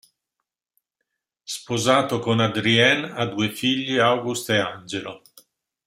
Sposato con Adrienne, ha due figli August e Angelo.